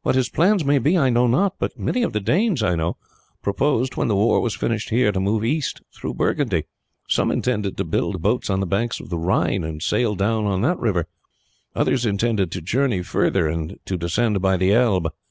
What his plans may be I know not, but many of the Danes, I know, purposed, when the war was finished here, to move east through Burgundy. Some intended to build boats on the banks of the Rhine and sail down on that river, others intended to journey further and to descend by the Elbe.